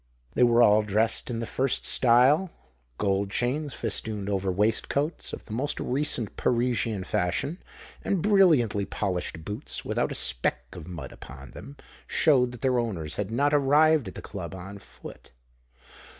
They were all dressed in the first style: gold chains festooned over waistcoats of the most recent Parisian fashion; and brilliantly polished boots, without a speck of mud upon them, showed that their owners had not arrived at the Club on foot.